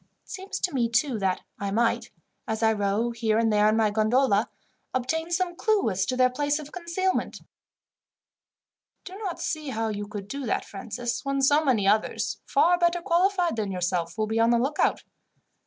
It seems to me, too, that I might, as I row here and there in my gondola, obtain some clue as to their place of concealment." "I do not see how you could do that, Francis, when so many others, far better qualified than yourself, will be on the lookout.